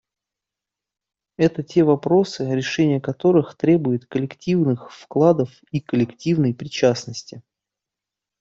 Это те вопросы, решение которых требует коллективных вкладов и коллективной причастности.